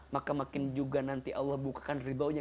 maka makin juga nanti allah bukakan ribaunya